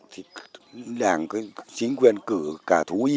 thì đảng chính quyền cử cả thú y